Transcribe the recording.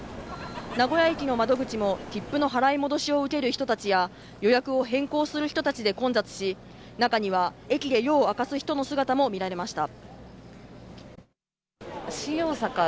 名古屋駅の窓口も切符の払い戻しを受ける人たちや予約を変更する人たちで混雑し、中には駅で夜を明かす人の姿も見られました。